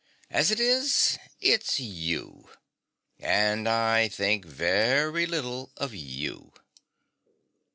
As it is, it's you, and I think very little of you.